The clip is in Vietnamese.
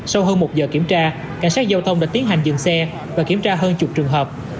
sau hơn một giờ kiểm tra cảnh sát giao thông đã tiến hành dừng xe và kiểm tra hơn chục trường hợp